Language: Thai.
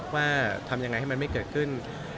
ว่าทำยังไงให้มันไม่เกิดขึ้น